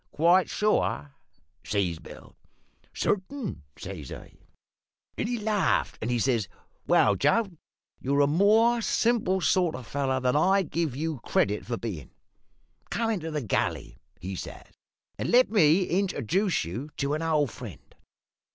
"`Quite sure?' says Bill. "`Certain,' says I. "Then he laughed, and he says, `Well, Joe, you're a more simple sort of a feller than I give you credit for bein'. Come into the galley,' he says, `and let me introjuce you to an old friend.'